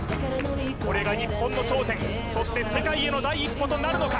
これが日本の頂点そして世界への第一歩となるのか？